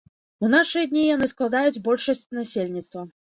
У нашы дні яны складаюць большасць насельніцтва.